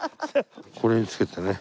これに着けてね。